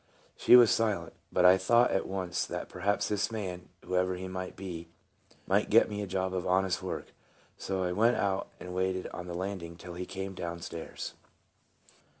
She was silent, but I thought at once that perhaps this man, whoever he might be, might get me a job of honest work; so I went out and waited on the landing till he came t down stairs.